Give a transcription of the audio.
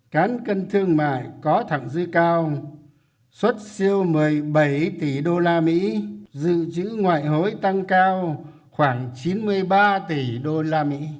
cán cân thương mại có thẳng dư cao xuất siêu một mươi bảy tỷ usd dự trữ ngoại hối tăng cao khoảng chín mươi ba tỷ usd